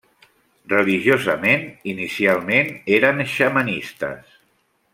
Religiosament, inicialment eren xamanistes.